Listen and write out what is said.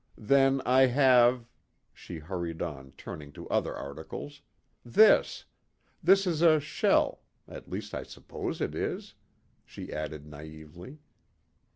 Then I have," she hurried on, turning to other articles, "this. This is a shell at least I suppose it is," she added naïvely.